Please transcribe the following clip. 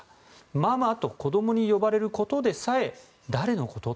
ママと子供に呼ばれることでさえ誰のこと？